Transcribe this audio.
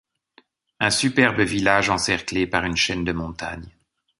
Un superbe village encerclé par une chaîne de montagnes.